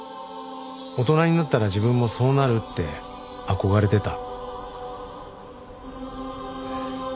大人になったら自分もそうなるって憧れてた